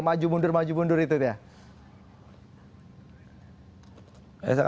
maju mundur maju mundur itu tuh ya